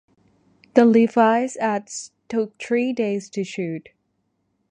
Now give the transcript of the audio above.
The Levi's ads took three days to shoot.